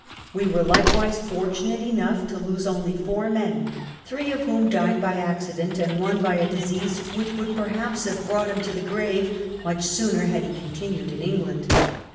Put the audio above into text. We were likewise fortunate enough to lose only four men — three of whom died by accident, and one by a disease which would perhaps have brought him to the grave much sooner had he continued in England.